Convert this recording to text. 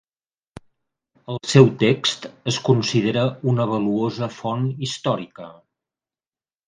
El seu text es considera una valuosa font històrica.